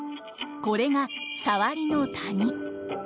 これがサワリの谷。